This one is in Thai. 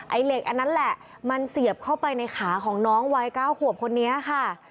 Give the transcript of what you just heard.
เหล็กอันนั้นแหละมันเสียบเข้าไปในขาของน้องวัย๙ขวบคนนี้ค่ะ